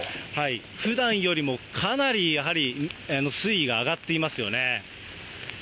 ふだんよりもかなりやはり水位が上がっていますよね。